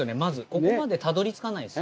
ここまでたどり着かないです。